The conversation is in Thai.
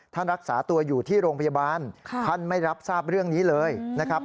รักษาตัวอยู่ที่โรงพยาบาลท่านไม่รับทราบเรื่องนี้เลยนะครับ